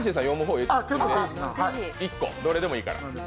どれでもいいから。